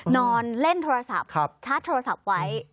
นอนเล่นโทรศัพท์ชาร์จโทรศัพท์ไว้